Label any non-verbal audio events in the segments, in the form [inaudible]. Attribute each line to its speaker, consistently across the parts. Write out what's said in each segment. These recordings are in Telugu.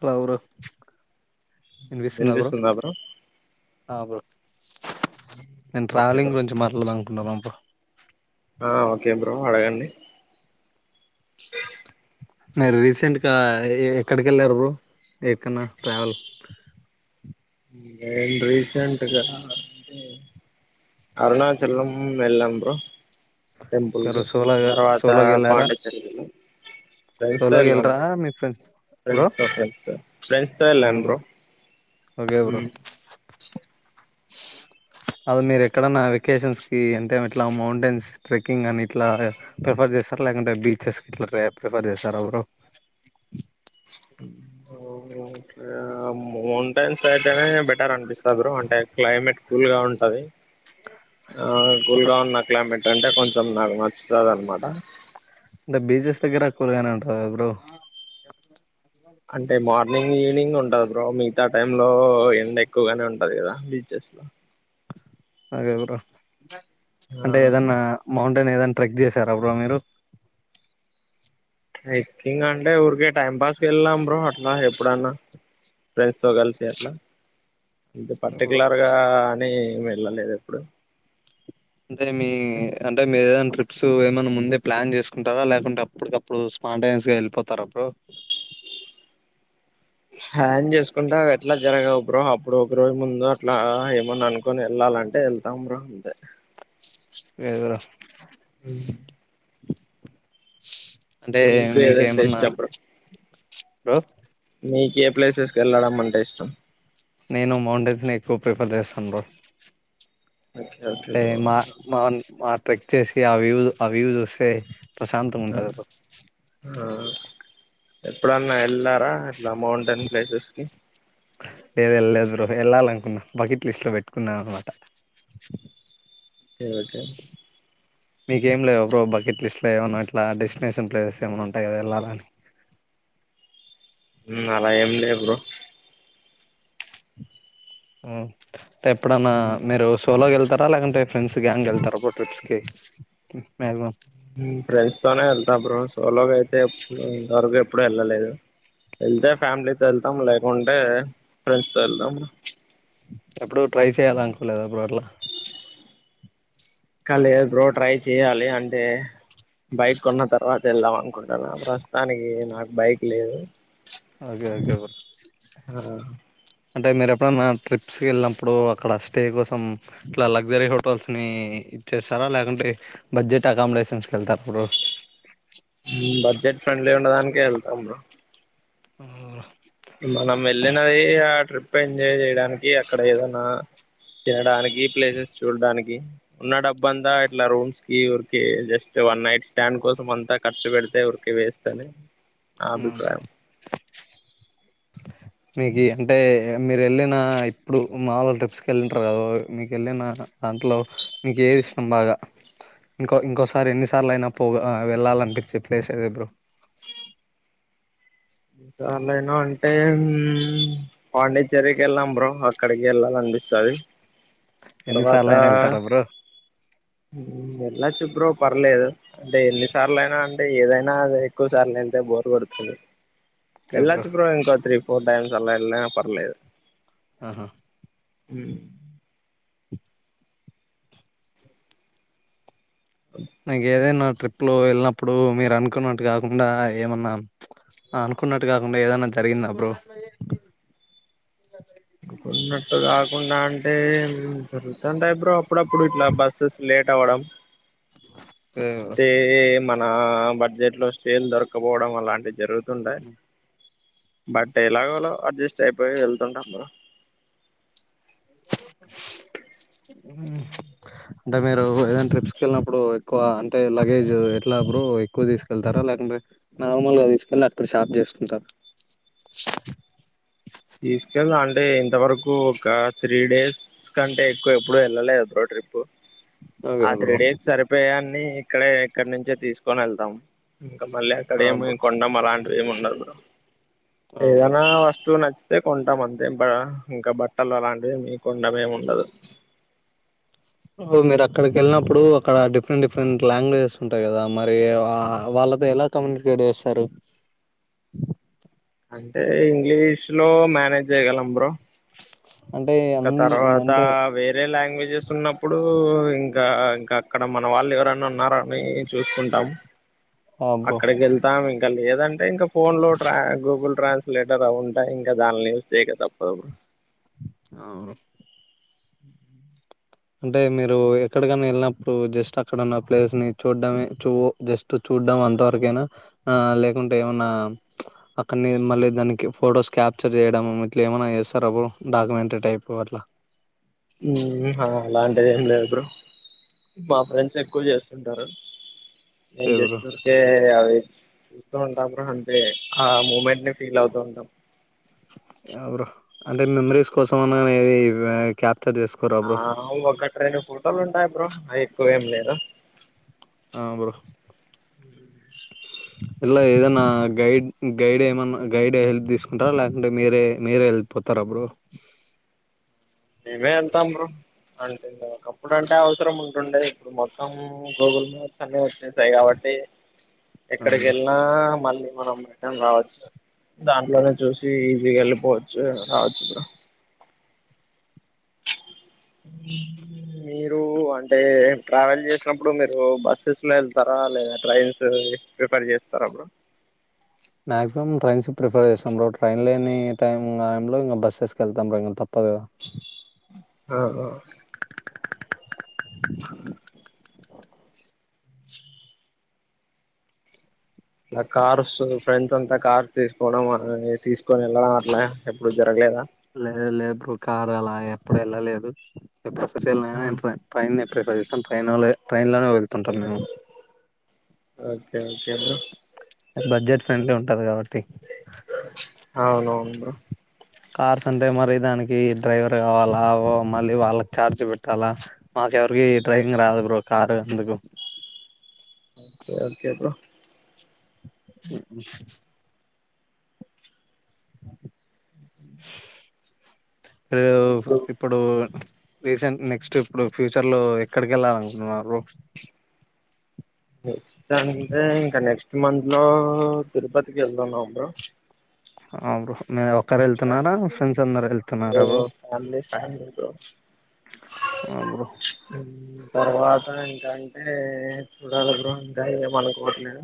Speaker 1: హలో ఎవరు వినిపిస్తుంద బ్రో అ బ్రో నేను
Speaker 2: ఓకే
Speaker 1: ట్రావెలింగ్
Speaker 2: బ్రో
Speaker 1: గురించి మట్లాడుదాం అనుకున్న బ్రో
Speaker 2: ఆ ఓకే బ్రో ఎవరండీ
Speaker 1: కిస్సుకుటుక్! మీరు రీసెంట్గా ఏ ఎక్కడికెళ్ళారు బ్రో? ఎక్కడా ట్రావెల్ కు
Speaker 2: నేను రీసెంట్గా అరుణాచలం ఎల్లినం బ్రొ టెంపుల్ కి,
Speaker 1: సోలోగా
Speaker 2: తర్వాతా
Speaker 1: సోలోగా వెళ్ళారా
Speaker 2: పాండిచెరిలో ఫ్రైస్టాల్
Speaker 1: సోలోగా
Speaker 2: ఎల్లాను
Speaker 1: వెళ్ళరా
Speaker 2: బ్రొ
Speaker 1: మీ ఫ్రెండ్స్ బ్రో
Speaker 2: ఫ్రైస్టాల్ ఫ్రైస్టాల్ ఫ్రెండ్స్ తో ఎల్లాను బ్రో.
Speaker 1: ఓకే బ్రో
Speaker 2: ఊహ్ చ్
Speaker 1: అది మీరు ఎక్కడన్నా వెకేషన్స్ కీ, అంటే ఇట్ల మౌంటైన్స్ ట్రెక్కింగ్ అని, ఇట్లా ప్రిఫర్ చేస్తరా? లేకుంటే బీచెస్ కి, ఇట్ల ప్రిఫర్ చేస్తరా బ్రో?
Speaker 2: చిష్ ఇక్కడా మౌంట్ ఫ్రెండ్స్ అయితే, బెటర్ అనిపిస్తది బ్రో. అంటే క్లైమెట్ కూల్ గా ఉంటది. ఆ కూల్గా ఉన్న క్లైమెట్ అంటే కొంచెం, నాకు నచుతదన్న మాట.
Speaker 1: అంటే, బీచెస్ దగ్గర కూల్గానె ఉంటదా బ్రో ఆ
Speaker 2: అంటే, మార్నింగ్, ఈవినింగ్ ఉంటది బ్రో? మిగతా టైమ్ లో ఎండ ఎక్కువగనే ఉంటది గదా బీచెస్ లో
Speaker 1: ఆగేయ్ బ్రో
Speaker 2: ఆ
Speaker 1: అంటే ఏదన్నా మౌంట్ అంటే, ఏదన్న ట్రెక్ చేశారా బ్రో మీరు?
Speaker 2: ట్రెక్కింగ్ అంటే ఊరికే టైంపాస్కి వెళ్ళినాం బ్రో అట్లా ఎప్పుడన్నా ఫ్రెండ్స్ తో కలిసి అట్ల ఇది
Speaker 1: మీరు
Speaker 2: పర్టికులర్ గా అనీ వెళ్లలేదు ఎప్పుడు
Speaker 1: అంటే మీ అంటే మీరేదని ట్రిప్ సో ఏమన్నా ముందే ప్లాన్ చేసుకుంటరా? లేకుంటే, అప్పుటికప్పుడు స్పాంటోనియస్ గా వెళ్ళిపోతర బ్రో
Speaker 2: హ్యాన్ చేసుకుంటే అవి ఎట్లా జరగవు బ్రో. అప్పుడు ఒకరోజు ముందు అట్లా ఏమన్న అనుకొని, ఎళ్ళాలంటే ఎళ్తాం బ్రో. అంతే!
Speaker 1: ఎవరు అంటే
Speaker 2: మీకు ఏదంటే
Speaker 1: మీకేమన్నా
Speaker 2: ఇష్టం బ్రో
Speaker 1: బ్రో
Speaker 2: మీకు ఏ ప్లేసెస్ కెళ్ళడం అంటే ఇష్టం?
Speaker 1: నేను మౌంటెన్స్ ఎ సో ప్రిపేర్ చేస్తాను బ్రో
Speaker 2: ఓకే ఓకే
Speaker 1: టే
Speaker 2: బ్రో
Speaker 1: మా మాన్ మా పెట్టేసి ఆ వ్యూ ఆ వ్యూ జూస్తే ప్రశాంతంగా ఉంటది అట్లా
Speaker 2: ఎప్పుడన్న ఎళ్ళారా అట్ల మౌంటెన్ ప్లేసెస్ కి
Speaker 1: లేదు, ఎళ్ళలేదు బ్రో. వెళ్ళాలనుకున్న బకెట్ లిస్ట్ లో పెట్టుకున్నా అన్నమాట
Speaker 2: ఎల్తే
Speaker 1: మీకేం లేవా బ్రో బకెట్ లిస్ట్ లో ఏమన్నా ఇట్లా డెస్టినేషన్స్ ప్లేస్లే ఏమైన్నా ఉంటాయి కదా వెళ్ళాలని
Speaker 2: హు అలా ఏం లేవు బ్రో
Speaker 1: [inaudible] ఎప్పుడన్నా మీరు సోలో గా ఎ తారా లేకుంటే ఫ్రెండ్స్ గ్యాంగ్ వెళ్తారా అబ్బా ట్రిప్స్ కి మ్యాక్సిమం
Speaker 2: హు ఫ్రెండ్స్ తోనే వెళ్తా బ్రో సోలోగా ఐతే ఎపు ఇంతవరకు ఎప్పుడూ వెళ్ళలేదు వెళ్తే ఫ్యామిలీతో వెళ్తాం లేకుంటే ఫ్రెండ్స్ తో వెళ్తాం
Speaker 1: ఎప్పుడు ట్రై చేయాల అనుకోలేదు బ్రో అట్లా
Speaker 2: ఇంకా లేదు బ్రో ట్రై చెయాలి అంటే బైక్ కొన్న తర్వాత వెళ్దాం అనుకుంటాను ప్రస్తుతానికి నాకు బైక్ లేదు
Speaker 1: ఓకే ఓకే బ్రో అంటే మీరు ఎప్పుడైనా ట్రిప్స్ కి వెళ్ళినప్పుడు అక్కడ స్టే కోసం ఇట్లా లగ్జరీ హోటల్ నీ ఇచ్చేస్తారా లేకుంటే బడ్జెట్ అకామినేషన్స్కి వెళ్తారా బ్రో
Speaker 2: ఇంకా వెళ్తాను బ్రో
Speaker 1: అవునా
Speaker 2: మనం వెళ్లినాయి ట్రిప్ ఎంజాయ్ చేయడానికి అక్కడ, ఏదన్నా తినడానికి ప్లేసెస్ చూడడానికి ఉన్న డబ్బ అంతా ఇట్లా రూమ్స్ కి ఊరికి జస్ట్ వన్ నైట్ స్టాండ్ కోసం అంతా ఖర్చు పెడితే ఊరికి వేస్ట్ అని నా అభిప్రాయం
Speaker 1: మీకు అంటే మీరు వెళ్ళినా ఇప్పుడు మాముూలు ట్రిప్స్ కి వెళ్ళుంటారు కదా మీకు వెళ్ళినా దాంట్లో మీకు ఏది ఇష్టం బాగా ఇంకో ఇంకోసారి ఎన్నిసార్లు అయినా పో వెళ్ళాలనిపించే ప్లేస్ ఏది బ్రో
Speaker 2: సార్లుయినా అంటే పాండిచ్చేరికి వెళ్ళాం బ్రో అక్కడికి వెళ్ళాల అనిపిస్తాది
Speaker 1: ఎన్ని సార్లైనా వెళ్తారా బ్రో
Speaker 2: ఉ వెళ్ళొచ్చు బ్రో పర్లేదు అంటే ఎన్ని సార్లు అయినా అంటే ఏదైనా ఎక్కువ సార్లు వెళ్తే బోరు కొడుతుంది. వెళ్ళొచు బ్రో ఇంకో ట్రిప్ ఫోర్ టైంస్ అలా వెళ్ళిన పర్లేదు
Speaker 1: ఆహా
Speaker 2: హు
Speaker 1: నాకేదైనా ట్రిప్ లో వెళ్ళినప్పుడు మీరు అనుకున్నట్టు కాకుండా ఏమన్నా అనుకున్నట్టు కాకుండా ఏదన్నా జరిగిందా బ్రో
Speaker 2: నువ్వు కొన్నట్టు కాదు కుండా అంటే జరుగుతుంటాయి బ్రో అప్పుడప్పుడు ఇట్లా బస్సెస్ లే టవడం
Speaker 1: [inaudible]
Speaker 2: తే ఏ మన బడ్జెట్ లో స్టీల్ దొరకపోవడం అలాంటి జరుగుతు ఉంటాయ్ బట్ ఎలాగలో అడ్జస్ట్ అయిపోయి వెళ్తుంటాము బ్రో
Speaker 1: ఉ అంటే మీరు ఏదైనా ట్రిప్స్కి వెళ్ళినప్పుడు ఎక్కువ అంటే లగేజ్ ఎట్లా బ్రో ఎక్కువ తీసుకెళ్తారా లేకుంటే నార్మల్గా తీసుకెళ్లి అక్కడ షాప్ చేసుకుంటారా
Speaker 2: తీసుకెళ్దా అంటే ఇంతవరకు ఒక త్రీ డేస్ కంటే ఎక్కువ ఎప్పుడు వెళ్ళలేదు బ్రో ట్రిప్పు
Speaker 1: అదే
Speaker 2: ఆ త్రీ
Speaker 1: బ్రో
Speaker 2: డేస్ సరిపోయాన్ని ఇక్కడే ఇక్కడ నుంచే తీసుకొని వెళ్తాం మళ్ళా అక్కడ
Speaker 1: ఆ బ్రో
Speaker 2: ఏమి కొనడం అలాంటి ఏమన్నారు బ్రో
Speaker 1: ఆ బ్రో
Speaker 2: ఏదన్నా వస్తువు నచ్ అదే కొంటాం అంతే ఇంకా బట్టలు అలాంటివి ఏమి కొనడం ఏమి ఉండదు
Speaker 1: మీరు అక్కడికి వెళ్ళినప్పుడు అక్కడ డిఫరెంట్ డిఫరెంట్ లాంగ్వేజెస్ ఉంటాయి కదా మరి ఆ వాళ్ళతో ఎలా కమ్యూనికేట్ చేస్తారు.
Speaker 2: అంటే ఇంగ్లీష్ లో మేనేజ్ చేయగలం బ్రో
Speaker 1: అంటే
Speaker 2: ఇంకా
Speaker 1: అన్
Speaker 2: తర్వాత
Speaker 1: అంటే
Speaker 2: వేరే లా గ్వేజెస్ ఉన్నప్పుడు ఇంకా ఇంకా అక్కడ మన వాళ్ళు ఎవరన్న ఉన్నార అని చూసుకుంటాం.
Speaker 1: ఆ బ్రో
Speaker 2: అక్కడికి వెళ్తాము ఇంకా లేదంటే ఇంకా ఫోన్ లో ట్రా గూగుల్ ట్రాన్స్లేటర్ అవి ఉంటాయి ఇంకా దాని యూజ్ చేయక తప్పదు
Speaker 1: అవును
Speaker 2: [inaudible]
Speaker 1: అంటే మీరు ఎక్కడికన్నా వెళ్ళినప్పుడు జస్ట్ అక్కడ ఉన్న ప్లేస్ ని చూడ్డమే చూ జస్ట్ చూడం అంతవరకైనా లేకుంటే ఏమన్నా ఉంచ అక్కడని మళ్ళీ దానికి ఫొటోస్ క్యాప్చర్ చేయడం ఇట్లా ఏమైనా చేస్తారా బ్రో అప్పుడు డాక్యుమెంటరీ టైప్ అట్లా
Speaker 2: ఉహా అలాంటిది ఏం లేదు బ్రో మా ఫ్రెండ్స్ ఎక్కువ చేస్తుంటారు నేను
Speaker 1: ఏ బ్రో
Speaker 2: జస్ట్ ఊరికే అవి ఉంటాం అంటే బ్రో ఆ మూమెంట్ ని ఫీల్ అవుతూ ఉంటాం
Speaker 1: యా బ్రో అంటే మెమరీస్ కోసం అనేది కాప్
Speaker 2: ఆ ఒక ట్రెండు ఫోటోలు ఉంటాయి బ్రో నావి ఏం లేరా
Speaker 1: ఆ బ్రో ఇలా ఏదైనా గైడ్ గైడ్ ఏమన్నా గైడ్ హెల్ప్ తీసుకుంటారా లేకుంటే మీరే మీరే వెళ్ళిపోతారా బ్రో
Speaker 2: మే వెళ్తాం బ్రో అంటే ఒకప్పుడు అంటే అవసరం ఉంటుండే ఇప్పుడు మొత్తం గూగుల్ మ్యాప్స్ అన్ని వచ్చినా సాయి కాబట్టి
Speaker 1: ఆ
Speaker 2: ఎక్కడికి
Speaker 1: బ్రో
Speaker 2: వెళ్ళినా మళ్ళీ మనం రిటర్న్ రావచ్చు దాంట్లోనే చూసి ఈజీగా వెళ్ళిపోవచ్చు రావచ్చు కూడా మీరు అంటే ట్రావెల్ చేసినప్పుడు మీరు బస్సెస్ లో వెళ్తారా లేదా ట్రైన్స్ ప్రిఫర్ చేస్తారా బ్రో
Speaker 1: మాక్సిమం ట్రైన్స్ ప్రిఫర్ చేస్తాం బ్రో ట్రైన్ లేని టైంలో ఇంకా బస్సెస్కి వెళ్తాము ఇంకా తప్పదుగా
Speaker 2: ఆ ఆ ఆ ఉప్పుచ్చు కార్స్ ఫ్రెండ్స్ అంతా కార్స్ తీసుకోవడం తీసుకొని వెళ్ళడం అట్లా ఎప్పుడు జరగలేదా
Speaker 1: లేదు లేదు బ్రో కారు అలా ఎప్పుడు వెళ్ళలేదు ఎంత పైన ట్రైన్ ఎక్కుతా ప్రతి సంవత్సరం ట్రైనులో ట్రెన్లో ఉంటాం మేమ్
Speaker 2: okay okay bro
Speaker 1: budget friendly కాబట్టి
Speaker 2: అవునౌను బ్రో
Speaker 1: కార్స్ అంటే మరి దానికి డ్రైవర్ కావాలా మళ్ళీ వాళ్ళకి ఛార్జ్ పెట్టాలా మాకెవరికి డ్రైవింగ్ రాదు బ్రో కారు అందుకు
Speaker 2: ఓకే ఓకే బ్రో
Speaker 1: ఉ [inaudible] ఎవ్వ్వ్ ఇప్పుడు రీసెంట్ నెక్స్ట్ ఇప్పుడు ఫ్యూచర్ లో ఎక్కడికి వెళ్ళాలినుకుంటున్నారు బ్రో
Speaker 2: ఓ అంటే ఇంకా నెక్స్ట్ మంత్లో తిరుపతికి వెళ్దాన్నాం బ్రో
Speaker 1: ఆహ్ బ్రో మీరు ఒక్కరే
Speaker 2: ఇంకా
Speaker 1: వెళ్తున్నారా ఫ్రెండ్స్ అందరు వెళ్తున్నారా
Speaker 2: ఏదో ఫ్యామిలీ ఫ్యామిలీ బ్రో
Speaker 1: ఆ బ్రో
Speaker 2: తర్వాత ఇంకా అంటే చూడాలి గృహం ఇంకా ఏం అనుకోట్లేదు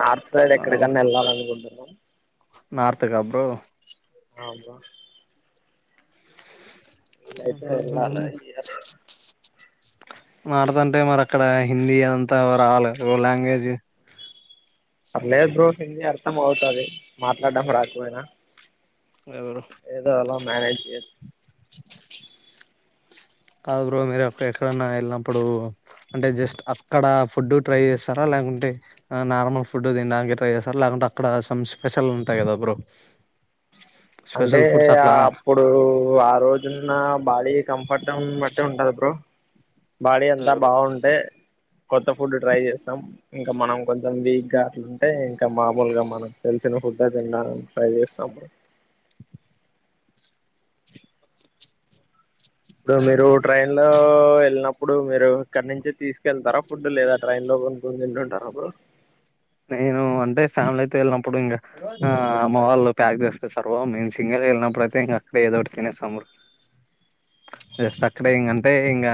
Speaker 2: నార్త్ సైడ్ ఎక్కడికన్నా వెళ్ళాలనుకుంటు లో
Speaker 1: నార్త్ గా బ్రొ
Speaker 2: ఆబా వీలైతే వెళ్ళాలి
Speaker 1: మాటదంటే అంటే మర క్కడ హిందీ అంత రావల్ల [unintelligible] లా ఏజు
Speaker 2: పర్లేదు బ్రో హిందీ అర్థం అవుతాది మాట్లాడడం రాకపోయినా
Speaker 1: ఎవరు
Speaker 2: మ్యానేజ్
Speaker 1: కాదు బ్రో మీరు ఎక్కడన్నా ఎళ్ళినప్పుడు అంటే జస్ట్ అక్కడ ఫుడ్ ట్రై జేస్తారా లేకుంటే నార్మల్ ఫుడ్ తినడానికి ట్రై చేస్తారా లేకుంటే అక్కడ సమ్ స్పెషల్ ఉంటాయి కదా బ్రో
Speaker 2: అంటే
Speaker 1: స్పెషల్ ఫుడ్స్ అట్లా
Speaker 2: అప్పుడు ఆ రోజున్న బాడీ కంఫర్ట్ టం బట్టి ఉంటది బ్రో బాడి అంతా బాగుంటే కొత్త ఫుడ్ ట్రై జేస్తాం ఇంకా మనం కొంచం వీక్ గా అట్లుంటే ఇంకా మామూలుగా మనం తెలిసిన ఫుడ్ తిండానికి ట్రై జేస్తాం. ఇప్పుడు మీరు ట్రైన్ లో ఎల్నప్పుడు మీరు ఇక్కడ నుంచి తీసుకెళ్తారా ఫుడ్ లేదా ట్రైన్ లో కొనుక్కొని తింటుంటారా బ్రో
Speaker 1: నేను అంటే ఫ్యామిలీతో ఎళ్ళినప్పుడు ఇంగ ఆ అమ్మ వాళ్ళు ప్యాక్ జేసి తెస్తారుమేమ్ సింగల్ గా ఎల్నప్పుడయితే ఇంగ అక్కడ ఏదో తినేస్తాం జస్ట్ అక్కడ ఇంగంటే ఇంగ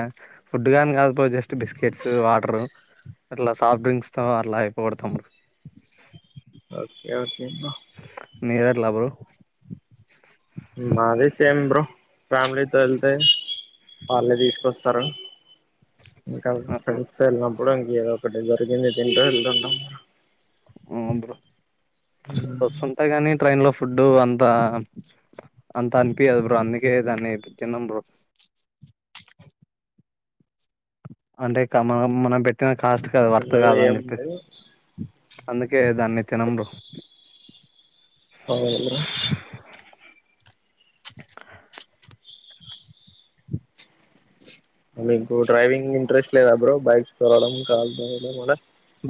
Speaker 1: ఫుడ్ గాని కాదు పో జస్ట్ బిస్కెట్స్ వాటరు అట్లా సాఫ్ట్ డ్రింక్స్ తో అట్లా అయిపో గొడతాం
Speaker 2: ఓకే ఓకే
Speaker 1: మీరట్లా బ్రో
Speaker 2: మాది సేమ్ బ్రో ఫ్యామిలీతో వెళ్తే వాళ్ళే తీసుకొస్తారు ఇంక
Speaker 1: నాకు
Speaker 2: ఫ్రెండ్స్ తో వెళ్ళినప్పుడు ఇంక ఏదో ఒకటి దిరికింది తింటూ వెళ్తుంటాం
Speaker 1: హ్మ్ బ్రో బసుంటాయి గానీ ట్రైన్ లో ఫుడ్డు అంత అంత అనిపియదు బ్రో అందుకే దాన్ని తినం బ్రో అంటే క మ మనం పెట్టిన కాస్ట్ కాదు వర్త్
Speaker 2: ఉండదు
Speaker 1: కాదని
Speaker 2: ఏం
Speaker 1: చెప్పేసి
Speaker 2: ఉండదు
Speaker 1: అందుకే దాన్ని తినం బ్రో
Speaker 2: అవునా మీకు డ్రైవింగ్ ఇంట్రెస్ట్ లేదా బ్రో బైక్స్ తోలడం కాల్ తోలడం అలా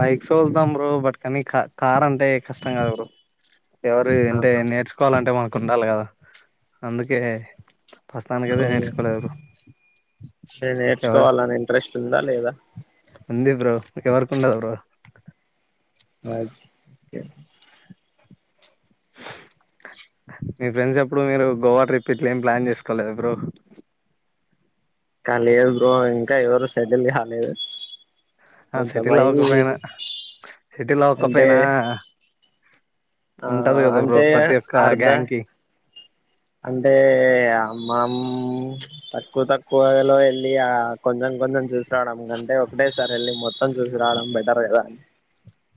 Speaker 1: బైక్స్ సోళ్తాం బ్రో బట్ కానీ కార్ అంటే కష్టం కదా బ్రో ఎవరు అంటే
Speaker 2: ఆహా,
Speaker 1: నేర్చుకోవాలంటే? మాకు కుండాలి కదా, అందుకే ప్రస్తుతానికైతే
Speaker 2: అవును
Speaker 1: నేర్చుకోలేదు బ్రో ఎవరు
Speaker 2: నేర్చుకోవాలని ఇంట్రెస్ట్ ఉందా? లేదా?
Speaker 1: ఉంది బ్రో ఎవరికి ఉండదు బ్రో
Speaker 2: అ [unintelligible] ఓకే.
Speaker 1: మీ ఫ్రెండ్స్ ఎప్పుడు మీరు గోవా ట్రిప్ ఇట్లా ఏమి ప్లాన్ చేసుకోలేదా బ్రో?
Speaker 2: క లేదు బ్రో ఇంకా ఎవరు సెటిల్ కాలేదు.
Speaker 1: ఆ సెటిల్
Speaker 2: కొంచెమయి
Speaker 1: అవ్వకపోయినా సెటిల్
Speaker 2: అంటే
Speaker 1: అవ్వకపోయినా?
Speaker 2: ఆ అంటే అర్ధ
Speaker 1: గ్యాంగ్ కి
Speaker 2: అంటే మామ్ తక్కువ తక్కువలో వెళ్ళి ఆ కొంచెం కొంచెం చూసిరావడం కంటే, ఒకటే సారి వెళ్ళి మొత్తం చూసిరావడం బెటర్ కదా.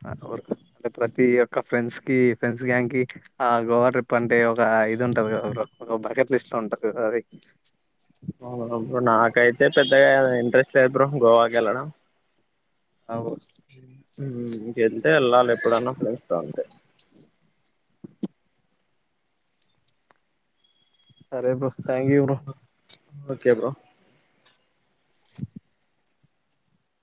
Speaker 1: అంటే ప్రతి ఒక్క ఫ్రెండ్స్ కి ఫ్రెండ్స్ గ్యాంగ్ కి ఆ గోవా ట్రిప్ అంటే ఒక ఇది ఉంటది కదా, ఒక బకెట్ లిస్ట్ ఉంటది కదా అది.
Speaker 2: అవును బ్రో నాకైతే పెద్దగా ఇంట్రెస్ట్ లేదు బ్రో గోవాకి వెళ్ళడం.
Speaker 1: ఆ
Speaker 2: మ్ జది. [unintelligible] అంతే వెళ్ళాలి ఎప్పుడైన్నా ఫ్రెండ్స్ తో ఉంటే.
Speaker 1: సరేబ్రో. Thank you bro.
Speaker 2: Okay bro